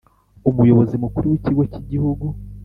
Umuyobozi Mukuru w Ikigo cy Igihugu